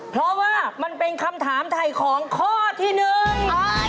เพราะว่ามันเป็นคำถามถ่ายของข้อที่หนึ่ง